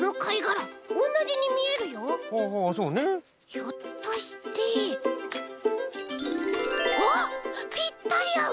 ひょっとしてあっぴったりあう！